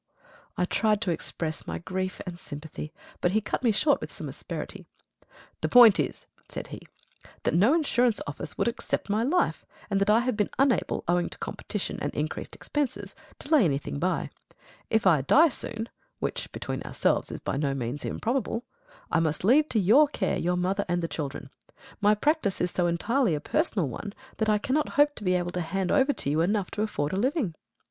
I tried to express my grief and sympathy, but he cut me short with some asperity. "The point is," said he, "that no insurance office would accept my life, and that I have been unable, owing to competition and increased expenses, to lay anything by. If I die soon (which, between ourselves, is by no means improbable), I must leave to your care your mother and the children. My practice is so entirely a personal one that I cannot hope to be able to hand over to you enough to afford a living."